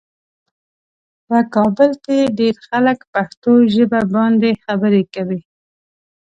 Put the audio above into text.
په کابل کې ډېر خلک پښتو ژبه باندې خبرې کوي.